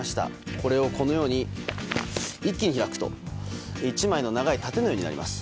これをこのように一気に開くと１枚の長い盾のようになります。